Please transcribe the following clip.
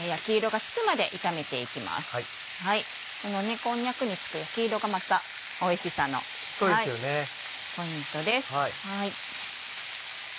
このこんにゃくにつく焼き色がまたおいしさのポイントです。